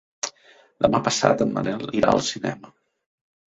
Demà passat en Manel irà al cinema.